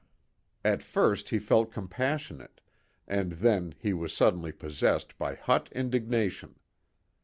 At first he felt compassionate, and then he was suddenly possessed by hot indignation.